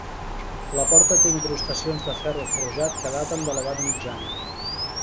La porta té incrustacions de ferro forjat que daten de l'Edat Mitjana.